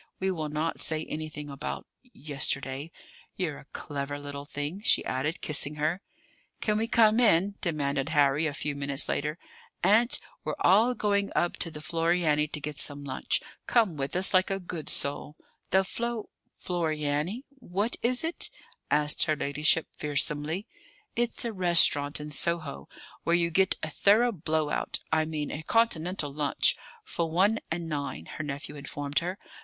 We will not say anything about yesterday. You're a clever little thing," she added, kissing her. "Can we come in?" demanded Harry, a few minutes later. "Aunt, we're all going up to the Floriani to get some lunch. Come with us, like a good soul!" "The Flo Floriani! What is it?" asked her ladyship fearsomely. "It's a restaurant in Soho, where you get a thorough blow out I mean a Continental lunch for one and nine," her nephew informed her.